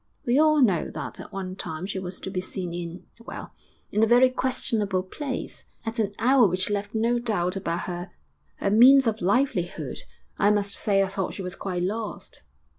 We all know that at one time she was to be seen in well, in a very questionable place, at an hour which left no doubt about her her means of livelihood. I must say I thought she was quite lost.'...